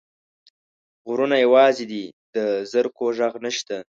غرونه یوازي دي، د زرکو ږغ نشته